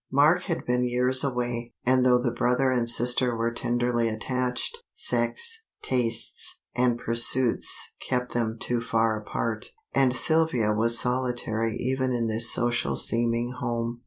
Mark had been years away; and though the brother and sister were tenderly attached, sex, tastes, and pursuits kept them too far apart, and Sylvia was solitary even in this social seeming home.